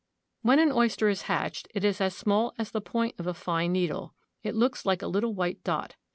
When an oyster is hatched it is as small as the point of a fine needle. It looks like a little white dot.